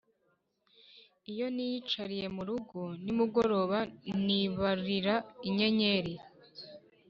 Iyo niyicariye mu rugo nimugoroba nibarira inyenyeri